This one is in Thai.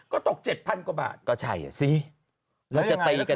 ก็ตกเจ็ดพันกว่าบาทก็ใช่อะซิแล้วจะตำ